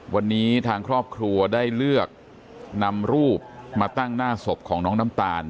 วันนี้ทางครอบครัวได้เลือกนำรูปมาตั้งหน้าศพของน้องน้ำตาล